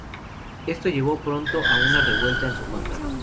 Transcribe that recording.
Esto llevó pronto a una revuelta en su contra.